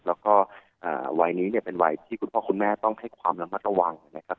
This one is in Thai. แล้วก็วัยนี้เนี่ยเป็นวัยที่คุณพ่อคุณแม่ต้องให้ความระมัดระวังนะครับ